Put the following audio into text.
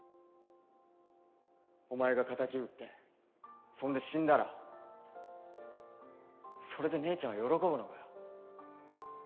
お前が敵討ってそんで死んだらそれで姉ちゃんは喜ぶのかよ。